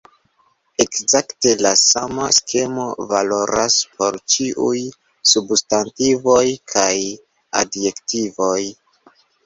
Ekzakte la sama skemo valoras por ĉiuj substantivoj kaj adjektivoj.